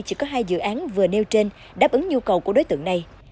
chỉ có hai dự án vừa nêu trên đáp ứng nhu cầu của đối tượng này